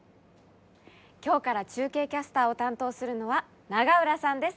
今日から中継キャスターを担当するのは永浦さんです。